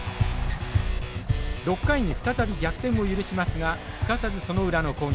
６回に再び逆転を許しますがすかさずその裏の攻撃。